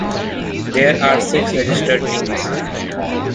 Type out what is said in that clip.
There are six registered teams.